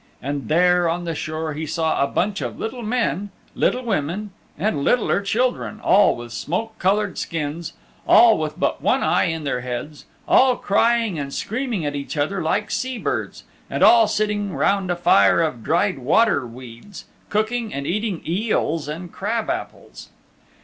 And there on the shore he saw a bunch of little men, little women and littler children, all with smoke colored skins, all with but one eye in their heads, all crying and screaming at each other like sea birds, and all sitting round a fire of dried water weeds, cooking and eating eels and crab apples.